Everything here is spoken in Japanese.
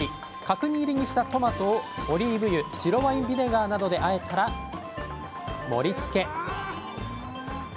角切りにしたトマトをオリーブ油白ワインビネガーなどであえたら盛りつけ。